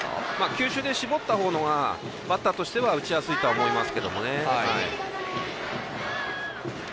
球種で絞った方がバッターとしては打ちやすいと思います。